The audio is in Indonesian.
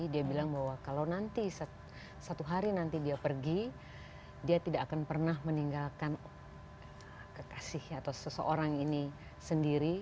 dia bilang bahwa kalau nanti satu hari nanti dia pergi dia tidak akan pernah meninggalkan kekasih atau seseorang ini sendiri